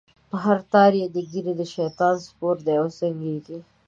په هر تار کی یې د ږیری؛ شیطان سپور دی او زنګیږی